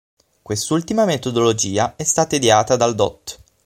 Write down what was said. Quest'ultima metodologia è stata ideata dal Dott.